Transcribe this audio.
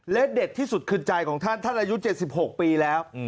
และเด็ดที่สุดคือใจของท่านท่านอายุ๗๖ปีแล้ว